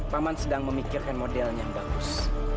paman sedang memikirkan model yang bagus